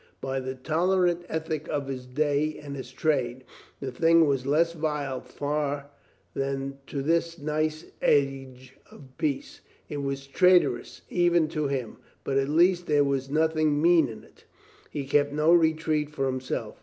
By the tolerant ethic of his day and his trade, the thing was less vile far than to this nice age of peace. It was traitorous even to him, but at least there was nothing mean in it. He kept no retreat for himself.